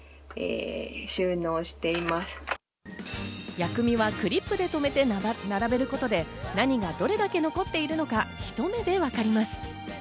薬味はクリップで留めて並べることで何がどれだけ残っているのか、ひと目で分かります。